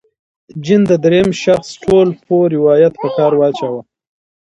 جین د درېیم شخص ټولپوه روایت په کار واچاوه.